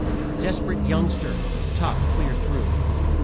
Desperate youngster, tough clear through!